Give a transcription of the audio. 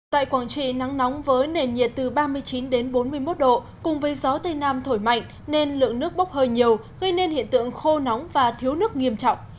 tại quảng trị nắng nóng với nền nhiệt từ ba mươi chín bốn mươi một độ cùng với gió tây nam thổi mạnh nên lượng nước bốc hơi nhiều gây nên hiện tượng khô nóng và thiếu nước nghiêm trọng